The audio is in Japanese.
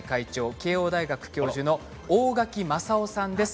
慶應大学教授の大垣昌夫さんです。